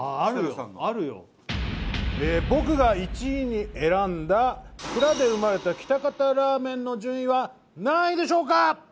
僕が１位に選んだ蔵で生まれた喜多方ラーメンの順位は何位でしょうか？